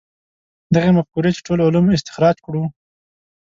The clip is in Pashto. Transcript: دغې مفکورې چې ټول علوم استخراج کړو.